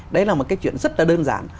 đấy là một cái chuyện rất là đơn giản